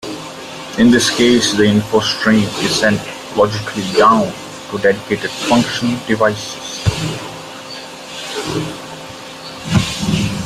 In this case the info stream is sent logically "down" to dedicated function devices.